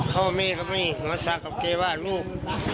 พ่อเมฆก็ไม่มาสั่งกับเกว่าลูก